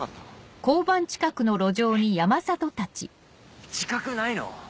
えっ自覚ないの？